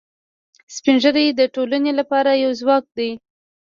سپین ږیری د ټولنې لپاره یو ځواک دي